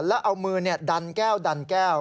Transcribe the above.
แล้วเอามือดันแก้วดันแก้ว